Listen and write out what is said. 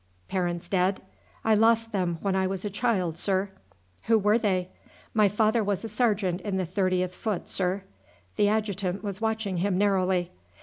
"Parents dead?" "I lost them when I was a child, sir." "Who were they?" "My father was a sergeant in the 30th Foot, sir." The adjutant was watching him narrowly.